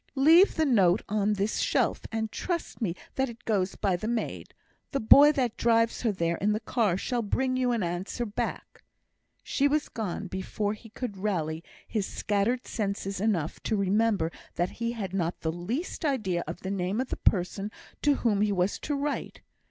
"Leave the note on this shelf, and trust me that it goes by the maid. The boy that drives her there in the car shall bring you an answer back." She was gone before he could rally his scattered senses enough to remember that he had not the least idea of the name of the party to whom he was to write.